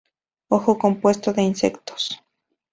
Ojo Compuesto de Insectos